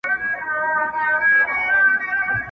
غریب سړی پر لاري تلم ودي ویشتمه!.